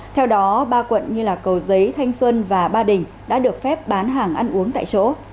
theo đó ba quận như cầu giấy thanh xuân và ba đình đã được phép bán hàng ăn uống tại chỗ